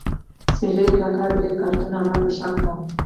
سپین ږیري کاکا درې کارتنه انار په شا کړي